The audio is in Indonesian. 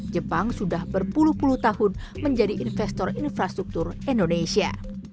jepang sudah berpuluh puluh tahun menjadi investor infrastruktur indonesia